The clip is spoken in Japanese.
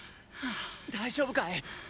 大丈夫かい？